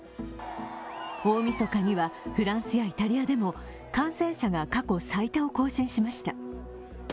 大みそかには、フランスやイタリアでも感染者が過去最多を更新しました。